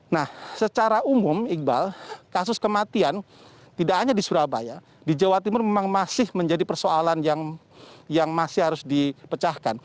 nah secara umum iqbal kasus kematian tidak hanya di surabaya di jawa timur memang masih menjadi persoalan yang masih harus dipecahkan